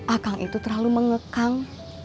akang itu terlalu mengekang